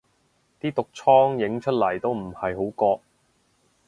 啲毒瘡影出嚟都唔係好覺